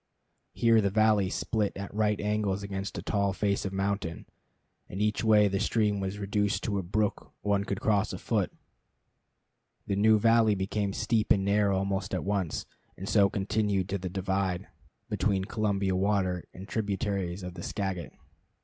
Here the valley split at right angles against a tall face of mountain, and each way the stream was reduced to a brook one could cross afoot. The new valley became steep and narrow almost at once, and so continued to the divide between Columbia water and tributaries of the Skagit.